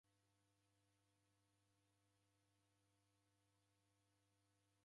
Makungughu gha vua ndeghiwonekie kafwani